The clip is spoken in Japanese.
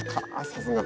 さすが。